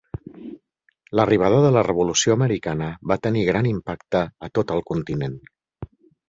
L'arribada de la revolució americana va tenir gran impacte a tot el continent.